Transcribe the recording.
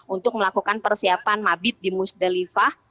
untuk melakukan persiapan mabit di musdalifah